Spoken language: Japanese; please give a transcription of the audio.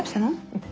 うん。